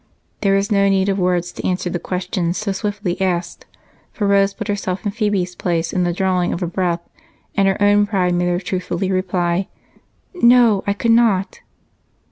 There was no need for words to answer the question so swiftly asked, for Rose put herself in Phebe's place in the drawing of a breath, and her own pride made her truthfully reply: "No I could not!"